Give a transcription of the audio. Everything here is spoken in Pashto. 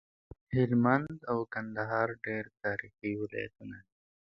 هلمند او کندهار ډير تاريخي ولايتونه دي